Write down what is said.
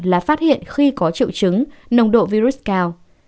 là phát hiện khi có triệu chứng nồng độ virus cao